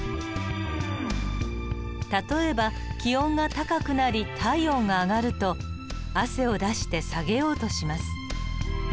例えば気温が高くなり体温が上がると汗を出して下げようとします。